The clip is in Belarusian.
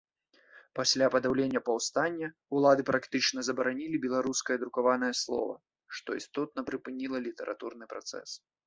Пасля падаўлення паўстання ўлады практычна забаранілі беларускае друкаванае слова, што істотна прыпыніла літаратурны працэс.